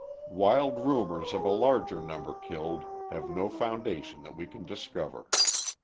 Wild rumours of a larger number killed have no foundation that we can discover.